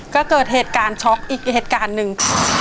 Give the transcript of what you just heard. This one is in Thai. ก็เกิดเหตุการณ์ช็อกอีกเหตุการณ์หนึ่ง